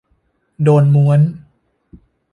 โดนม้วน